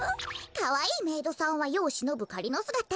かわいいメイドさんはよをしのぶかりのすがた。